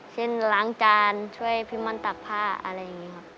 ช่วยเล่นล้างจานช่วยพิมันตากผ้าอะไรอย่างนี้ครับ